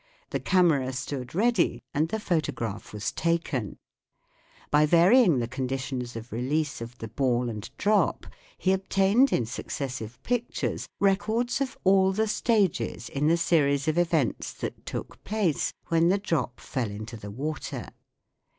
The camera stood ready and the photograph was taken. By varying the conditions of release of the ball and drop, he obtained in successive pictures records of all the stages in the series of events that took place when the drop fell into the water.